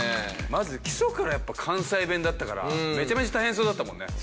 まず基礎からやっぱ関西弁だったからめちゃめちゃ大変そうだったもんね。